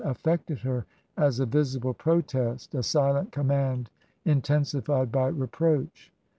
85 affected her as a visible protest, a silent command in tensified by reproach.